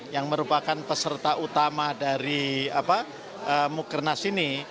yang merupakan peserta utama dari mukernas ini